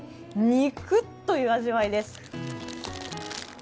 肉！という味わいです。